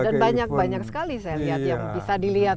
dan banyak banyak sekali yang bisa dilihat